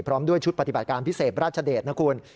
พร้อมด้วยชุดปฏิบัติการพิเศษราชเดชนะคุณ